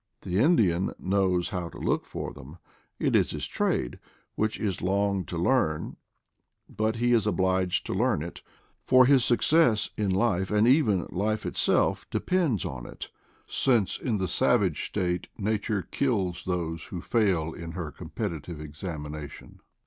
The Indian knows how to look for them; it is his trade, which is long to learn; but he is obliged to learn it, for his success in life, and even life itself, depends on it, since in the savage state Nature kills those who fail in her competitive examinations.